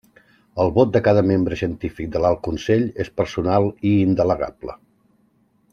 El vot de cada membre científic de l'Alt Consell és personal i indelegable.